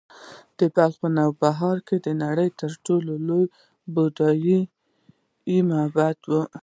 د بلخ نوبهار د نړۍ تر ټولو لوی بودايي معبد و